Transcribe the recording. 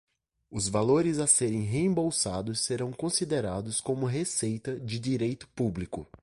Os valores a serem reembolsados serão considerados como receita de direito público.